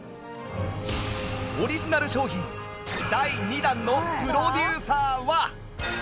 オリジナル商品第２弾のプロデューサーは